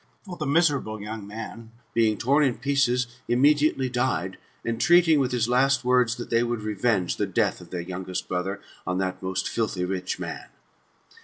For the miserable young man, being torn in pieces, immediately died, entreating, with his last words, that they would revenge the death of thor youngest brother on that most filthy rich man.